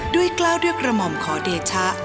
กล้าวด้วยกระหม่อมขอเดชะ